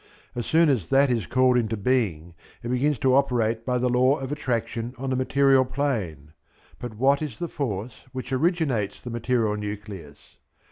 As soon as that is called into being it begins to operate by the law of attraction on the material plane; but what is the force which originates the material nucleus?